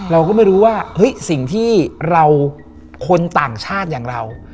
เราก็ไม่รู้ว่าเฮ้ยสิ่งที่เราคนต่างชาติอย่างเรา